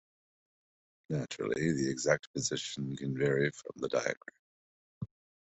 Naturally, the exact position can vary from the diagram.